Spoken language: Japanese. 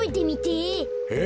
え？